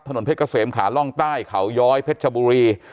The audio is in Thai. ถนนเพชรเกษมขาล่องใต้เขาย้อยเพชรชบุรี